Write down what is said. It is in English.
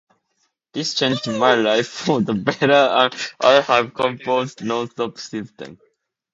This changed my life for the better and I have composed non-stop since then.